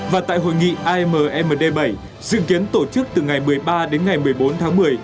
và tại hội nghị ammd bảy dự kiến tổ chức từ ngày một mươi ba đến ngày một mươi bốn tháng một mươi